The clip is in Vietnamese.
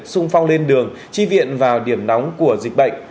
sung phong lên đường chi viện vào điểm nóng của dịch bệnh